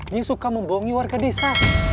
dia suka membohongi warga desa